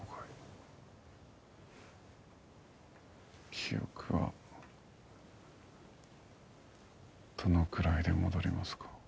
記憶はどのくらいで戻りますか？